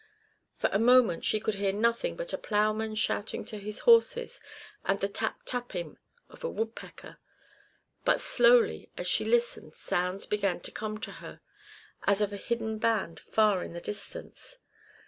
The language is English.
For a moment she could hear nothing but a ploughman shouting to his horses and the tap tapping of a woodpecker; but slowly as she listened sounds began to come to her, as of a hidden band far in the distance.